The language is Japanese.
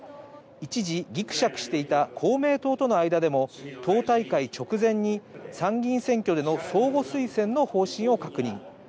一時、ぎくしゃくしていた公明党との間でも党大会直前に参議院選挙での相互推薦の方針を確認。